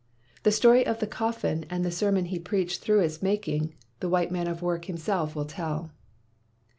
The story of the coffin and the sermon he preached through its making, the "white man of work" him self will tell.